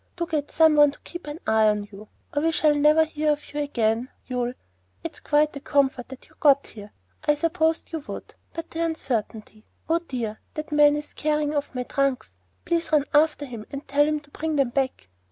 Do get some one to keep an eye on you, or we shall never hear of you again. You'll ' It's quite a comfort that you have got here. I supposed you would, but the uncertainty Oh, dear! that man is carrying off my trunks. Please run after him and tell him to bring them back!"